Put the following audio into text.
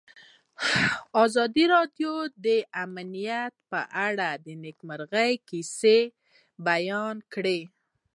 ازادي راډیو د امنیت په اړه د نېکمرغۍ کیسې بیان کړې.